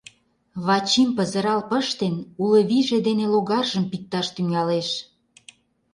Вачим пызырал пыштен, уло вийже дене логаржым пикташ тӱҥалеш...